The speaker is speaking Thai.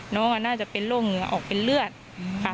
น้องน่าจะเป็นโรคเหงื่อออกเป็นเลือดค่ะ